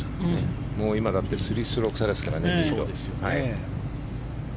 今、だって３ストローク差ですからね。